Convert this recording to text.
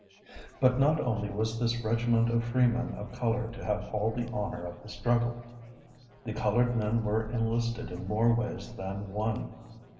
But not only was this regiment of free men of color to have all the honor of the struggle. The colored men were enlisted in more ways than one.